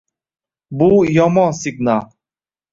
Bu yomon signal